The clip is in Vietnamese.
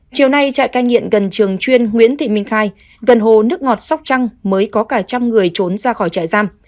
chiều nay trại cai nghiện gần trường chuyên nguyễn thị minh khai gần hồ nước ngọt sóc trăng mới có cả trăm người trốn ra khỏi trại giam